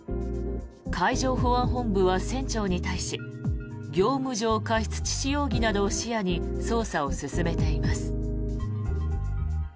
海上保安本部は船長に対し業務上過失致死容疑などを視野に捜査を進めています。